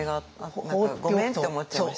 何かごめんって思っちゃいました。